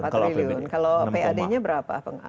empat triliun kalau pad nya berapa